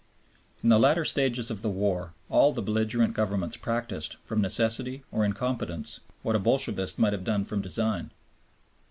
In the latter stages of the war all the belligerent governments practised, from necessity or incompetence, what a Bolshevist might have done from design.